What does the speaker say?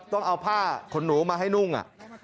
ต้องเอาผ้าขนหนูมาให้นุ่ง